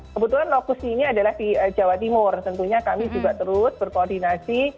kebetulan lokus ini adalah di jawa timur tentunya kami juga terus berkoordinasi